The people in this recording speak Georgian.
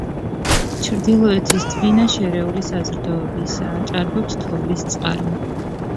ჩრდილოეთის დვინა შერეული საზრდოობისაა, ჭარბობს თოვლის წყალი.